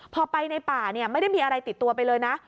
พอไปในป่าไม่ได้มีอะไรติดตัวไปเลยนะ